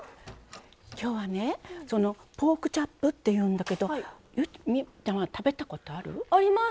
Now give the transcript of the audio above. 今日はポークチャップっていうんだけど望結ちゃんは食べたことある？あります。